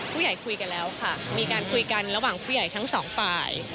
คุยกันแล้วค่ะมีการคุยกันระหว่างผู้ใหญ่ทั้งสองฝ่าย